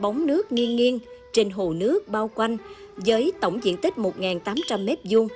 bóng nước nghiêng nghiêng trên hồ nước bao quanh với tổng diện tích một tám trăm linh m hai